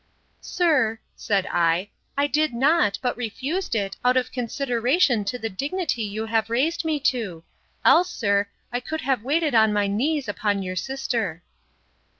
Sir, said I, I did not, but refused it, out of consideration to the dignity you have raised me to; else, sir, I could have waited on my knees upon your sister.